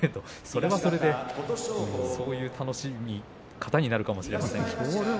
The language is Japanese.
それはそれでそういう楽しみ方になるかもしれませんね。